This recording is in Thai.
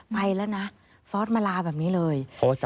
ไปแล้วนะฟอร์สมาลาแบบนี้เลย